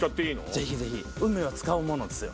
ぜひ！運命は使うものですよ。